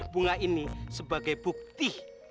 bunga ini sebagai bukti